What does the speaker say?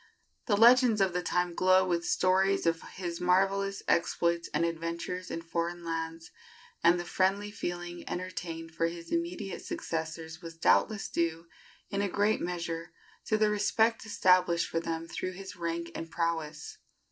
The legends of the time glow with stories of his marvellous exploits and adventures in foreign lands, and the friendly feeling entertained for his immediate successors was doubtless due in a great measure to the respect established for them through his rank and prowess.